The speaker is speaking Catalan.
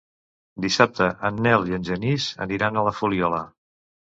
Dissabte en Nel i en Genís aniran a la Fuliola.